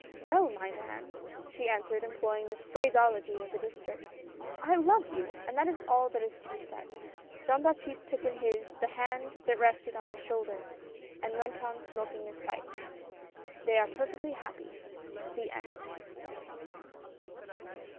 "Well, my man," she answered, employing the phraseology of the district, " I love you 1 and that is all that is to be said." Jean Baptiste took in his, the hand that rested on his shoulder, and went on smoking his pipe. They are perfectly happy. THE END.